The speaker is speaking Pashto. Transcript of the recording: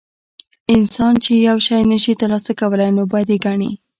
انسان چې یو شی نشي ترلاسه کولی نو بد یې ګڼي.